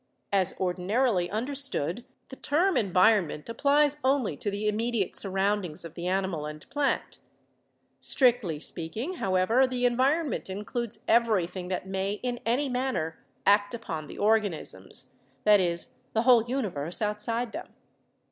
As ordinarily understood the term en vironment applies only to the immediate surroundings of the animal and plant. Strictly speaking, however, the environment includes everything that may in any manner act upon the organisms— that is, the whole universe out side them.